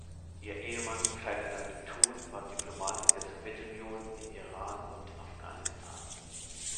Ihr Ehemann Ferdinand Thun war Diplomat in der Sowjetunion, in Iran und Afghanistan.